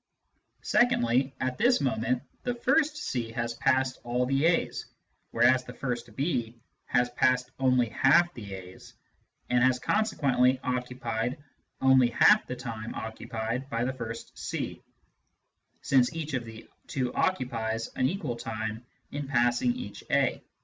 Secondly, at this moment the first C has passed all the A's, whereas the first B has passed only half the A's and has consequently occupied only half the time occupied by the first C, since each of the two occupies an equal time in passing each A.